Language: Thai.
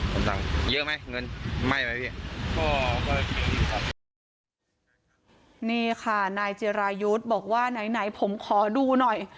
เขาเรียกอะไรนี่ค่ะนายเจรายุทธ์บอกว่าไหนไหนผมขอดูหน่อย